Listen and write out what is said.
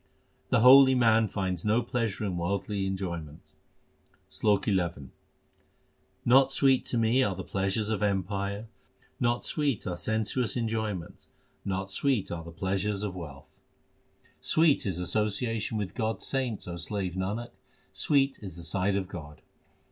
The holy man finds no pleasure in worldly enjoy ments : SLOK XI Not sweet to me are the pleasures of empire, not sweet are sensuous enjoyments, not sweet are the pleasures of wealth. HYMNS OF GURU ARJAN 377 Sweet is association with God s saints, O slave Nanak ; sweet is the sight of God.